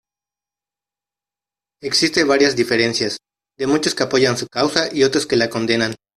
Existen varias diferencias, de muchos que apoyan su causa y otros que la condenan.